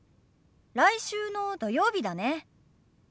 来週の土曜日だね。